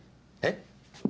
えっ？